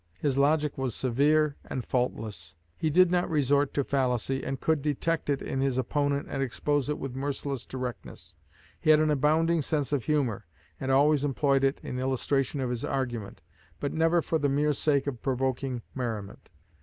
His logic was severe and faultless. He did not resort to fallacy, and could detect it in his opponent and expose it with merciless directness. He had an abounding sense of humor, and always employed it in illustration of his argument but never for the mere sake of provoking merriment.